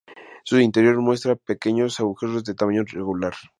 Su interior muestra pequeños agujeros de tamaño irregular.